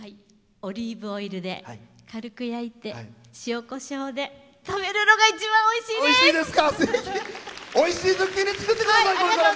オリーブオイルで軽く焼いて塩こしょうで食べるのが一番おいしいです！